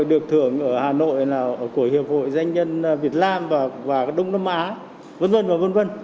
được thưởng ở hà nội là của hiệp hội doanh nhân việt nam và đông nam á v v